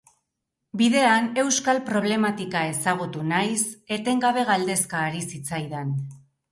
Bidean, euskal problematika ezagutu nahiz, etengabe galdezka ari zitzaidan.